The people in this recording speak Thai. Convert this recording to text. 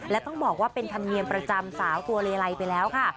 และต้องบอกว่าเป็นธรรมเนียมประจำสาวตัวเลไลไปแล้วค่ะ